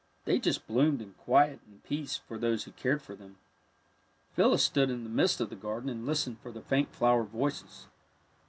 They just bloomed in quiet and peace for those who cared for them. Phyllis stood in the midst of the garden and listened for the faint flower voices.